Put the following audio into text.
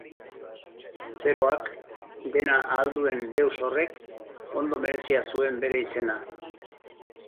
Zeroak, dena ahal duen deus horrek, ondo merezia zuen bere izena.